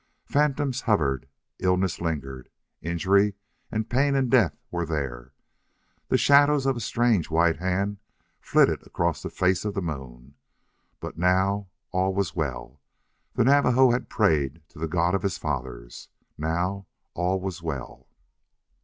Phantoms hovered, illness lingered, injury and pain and death were there, the shadow of a strange white hand flitted across the face of the moon but now all was well the Navajo had prayed to the god of his Fathers. Now all was well!